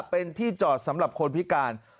เป็นที่จอดสำหรับคนพิการ